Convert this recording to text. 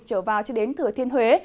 trở vào cho đến thừa thiên huế